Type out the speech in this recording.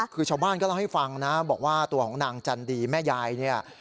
คือชาวบ้านก็เล่าให้ฟังนะบอกว่าตัวของนางจันดีแม่ยายเนี่ย